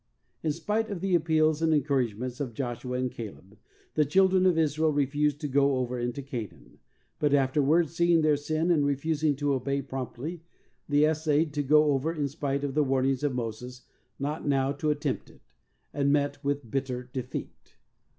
In spite of the appeals and encouragements of Joshua and Caleb, the children of Israel refused to go over into Canaan, but after wards, seeing their sin in refusing to obey promptly, they essayed to go over in spite of the warnings of Moses not now to attempt it, and met with bitter defeat.